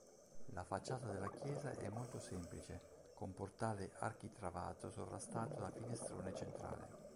La facciata della chiesa è molto semplice, con portale architravato sovrastato da finestrone centrale.